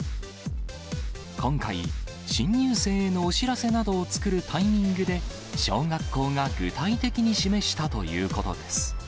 今回、新入生へのお知らせなどを作るタイミングで、小学校が具体的に示したということです。